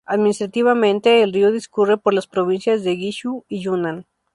Administrativamente, el río discurre por las provincias de Guizhou y Yunnan.